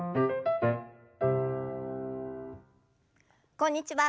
こんにちは